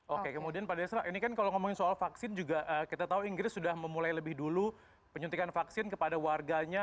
oke kemudian pak desra ini kan kalau ngomongin soal vaksin juga kita tahu inggris sudah memulai lebih dulu penyuntikan vaksin kepada warganya